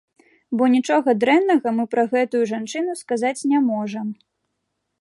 Бо нічога дрэннага мы пра гэтую жанчыну сказаць не можам.